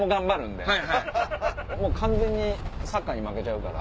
もう完全にサッカーに負けちゃうから。